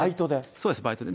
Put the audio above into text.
そうです、バイトで。